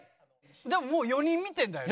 でももう４人見てるんだよね？